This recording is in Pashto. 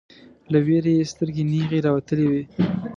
له ویرې یې سترګې نیغې راوتلې وې